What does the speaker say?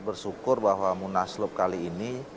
bersyukur bahwa munaslup kali ini